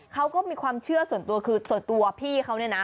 เขาก็มีความเชื่อส่วนตัวคือส่วนตัวพี่เขาเนี่ยนะ